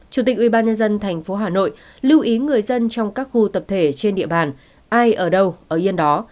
chủ tịch ubnd tp hà nội lưu ý người dân trong các khu tập thể trên địa bàn ai ở đâu ở yên đó